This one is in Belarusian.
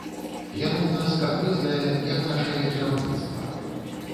Яно ў нас капрызнае, як нашае кіраўніцтва.